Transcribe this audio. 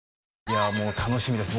いやもう楽しみです